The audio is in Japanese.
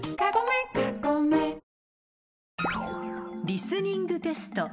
［リスニングテスト。